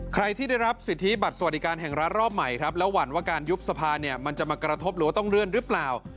ใครที่ได้รับสิทธิบัตรสวัสดิการแห่งรัฐรอบใหม่ครับแล้วหวั่นว่าการยุบสภาเนี่ยมันจะมากระทบหรือว่าต้องเลื่อนหรือเปล่า